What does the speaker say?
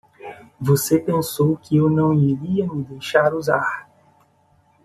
Você pensou que eu não iria me deixar usar